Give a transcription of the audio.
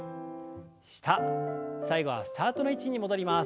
下最後はスタートの位置に戻ります。